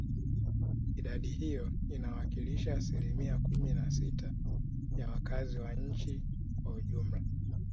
Idadi hiyo inayowakilisha asilimia kumi na sita ya wakazi wa nchi kwa ujumla